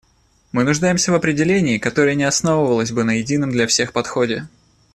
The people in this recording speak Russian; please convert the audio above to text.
Мы нуждаемся в определении, которое не основывалось бы на едином для всех подходе.